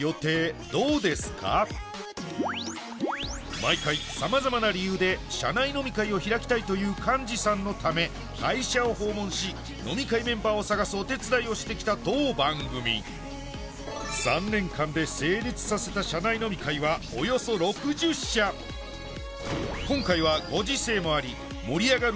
毎回さまざまな理由で社内飲み会を開きたいという幹事さんのため会社を訪問し飲み会メンバーを探すお手伝いをしてきた当番組３年間で成立させた社内飲み会はおよそ６０社今回はご時世もあり盛り上がる